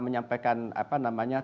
menyampaikan apa namanya